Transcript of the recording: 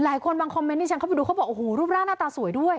บางคนบางคอมเมนต์ที่ฉันเข้าไปดูเขาบอกโอ้โหรูปร่างหน้าตาสวยด้วย